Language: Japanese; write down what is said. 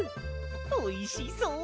おいしそう！